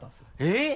えっ？